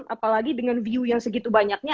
apalagi dengan view yang segitu banyaknya